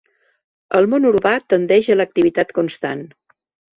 El món urbà tendeix a l'activitat constant.